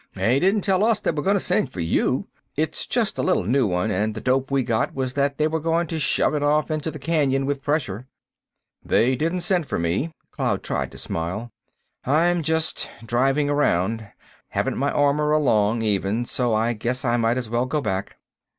They didn't tell us they were going to send for you. It's just a little new one, and the dope we got was that they were going to shove it off into the canyon with pressure." "They didn't send for me." Cloud tried to smile. "I'm just driving around—haven't my armor along, even. So I guess I might as well go back."